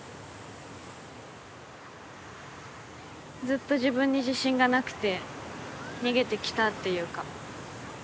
ずっと自分に自信がなくて逃げて来たっていうか。